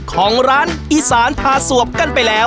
ของร้านอิตารนทานทหัสสวบกันไปแล้ว